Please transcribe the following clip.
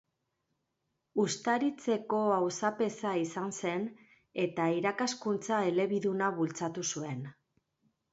Uztaritzeko auzapeza izan zen, eta irakaskuntza elebiduna bultzatu zuen.